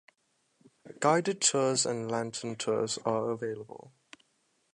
Guided tours and lantern tours are available.